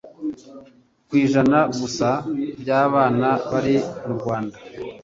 kw'ijana gusa by'abana bari mu Rwanda